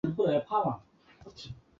佟兆元自奉天高等师范学校毕业。